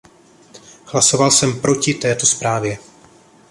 Hlasoval jsem proti této zprávě.